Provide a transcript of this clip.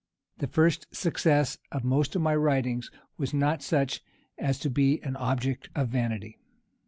The first success of most of my writings was not such as to be an object of vanity.